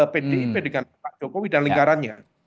pdip dengan pak jokowi dan lingkarannya